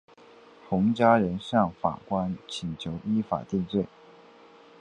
洪家人向法官请求依法定罪。